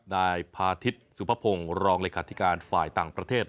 นายพาทิศสุภพงศ์รองเลขาธิการฝ่ายต่างประเทศ